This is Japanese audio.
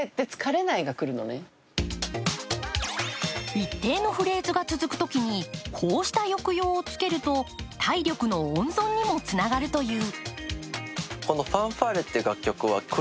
一定のフレーズが続くときにこうした抑揚をつけると体力の温存にもつながるという。